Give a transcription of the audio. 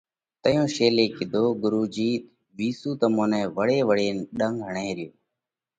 تئيون شيلي ڪِيڌو: ڳرُو جِي وِيسُو تمون نئہ وۯي وۯينَ ڏنڳ هڻئه ريو،